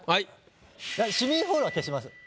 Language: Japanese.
「市民ホール」は消します。